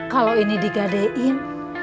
kalo ini digadein